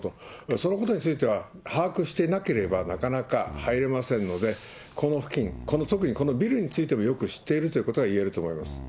そのことについては把握していなければなかなか入れませんので、この付近、特にこのビルについても、よく知っているということが言えると思います。